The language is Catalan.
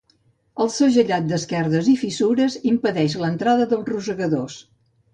El segellat d'esquerdes i fissures impedeix l'entrada dels rosegadors.